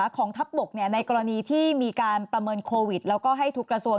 ของทัพบกในกรณีที่มีการประเมินโควิดแล้วก็ให้ทุกกระทรวง